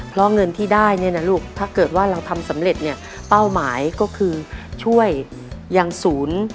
เพราะเงินที่ได้เนี่ยนะลูกถ้าเกิดว่าเราทำสำเร็จเนี่ยเป้าหมายก็คือช่วยยังศูนย์